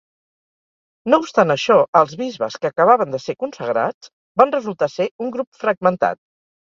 No obstant això, els bisbes, que acabaven de ser consagrats, van resultar ser un grup fragmentat.